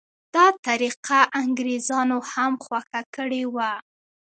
دا طریقه انګریزانو هم خوښه کړې وه.